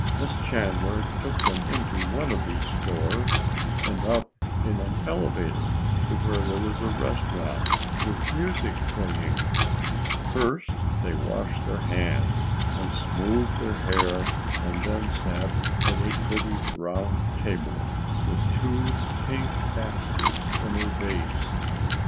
Miss Chandler took them into one of these stores and up in an elevator to where there was a restaurant with music playing. First they washed their hands and smoothed their hair and then sat at a pretty round table with two pink asters in a vase.